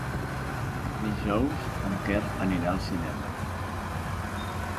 Dijous en Quer anirà al cinema.